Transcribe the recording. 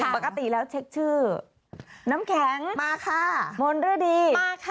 ปกติแล้วเช็คชื่อน้ำแข็งมณฑฤดี